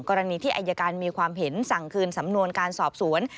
กรณีที่อายการมีความเห็นสั่งคืนสำนวนการสอบสวน